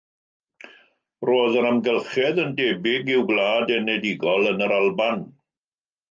Roedd yr amgylchedd yn debyg i'w gwlad enedigol yn yr Alban.